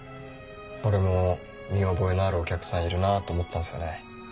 俺も見覚えのあるお客さんいるなぁと思ったんすよね。